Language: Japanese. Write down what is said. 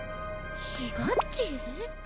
ひがっち？